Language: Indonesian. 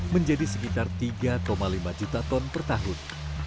menjadi sekitar tiga lima juta ton per tahun